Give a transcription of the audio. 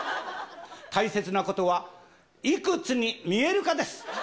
大切なことは、いくつに見えるかです。